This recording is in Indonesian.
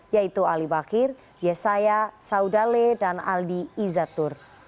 yaitu ali bakir yesaya saudale dan aldi izatur